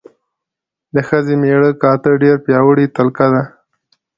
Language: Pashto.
د ښځې مړه کاته ډېره پیاوړې تلکه ده.